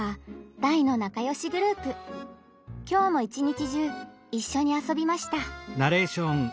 きょうも一日中一緒に遊びました。